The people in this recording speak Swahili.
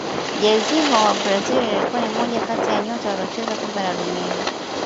jairzinho wa brazil alikuwa ni mmoja kati ya nyota waliocheza kombe la dunia